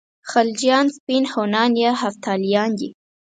خلجیان سپین هونان یا هفتالیان دي.